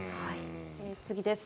次です。